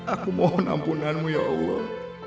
aku mohon ampunanmu ya allah